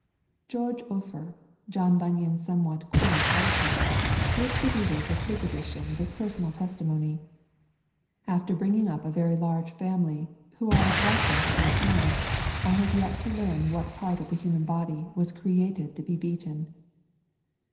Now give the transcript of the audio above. George Offor, John Bunyan's somewhat quaint editor, gives the readers of his edition this personal testimony: 'After bringing up a very large family, who are a blessing to their parents, I have yet to learn what part of the human body was created to be beaten.'